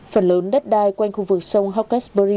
phần lớn đất đai quanh khu vực sông hawkesbury